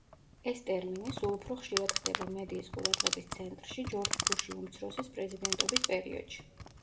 ეს ტერმინი სულ უფრო ხშირად ხდება მედიის ყურადღების ცენტრში ჯორჯ ბუში უმცროსის პრეზიდენტობის პერიოდში.